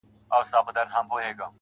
هغه به چاسره خبري کوي.